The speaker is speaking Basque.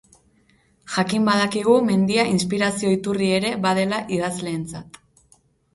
Jakin badakigu mendia inspirazio iturri ere badela idazleentzat.